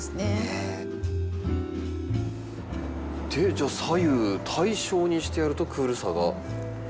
じゃあ左右対称にしてやるとクールさが際立つ？